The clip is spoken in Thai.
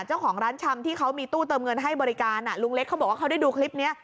เจ้าของร้านชำที่เขามีตู้เติมเงินให้บริการลุงเล็กเขาบอกว่าเขาได้ดูคลิปนี้